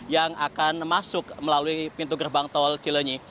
yang akan masuk melalui pintu gerbang tol cilenyi